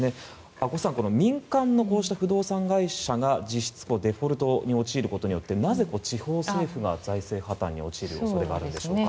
阿古さん民間のこうした不動産会社が実質デフォルトに陥ることによってなぜ、地方政府が財政破たんに陥る恐れがあるんでしょうか。